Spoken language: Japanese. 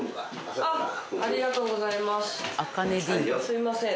すいません。